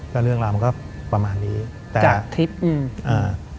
ก็เรื่องราวมันก็ประมาณนี้แต่จากคลิปอืมอ่า